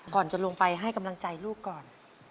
ก่อนจะลงไปให้กำลังใจลูกก่อน